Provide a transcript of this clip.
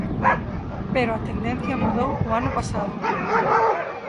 Pero a tendencia mudou o ano pasado.